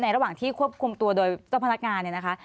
ระหว่างที่ควบคุมตัวโดยเจ้าพนักงานเนี่ยนะคะ